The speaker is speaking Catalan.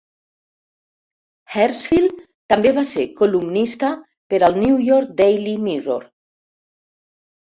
Hershfield també va ser columnista per al New York Daily Mirror.